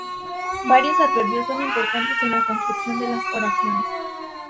Varios adverbios son importantes en la construcción de las oraciones.